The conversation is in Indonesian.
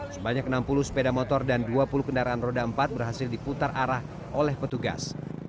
sebanyak enam puluh sepeda motor dan dua puluh kendaraan roda empat berhasil diputar arah oleh petugas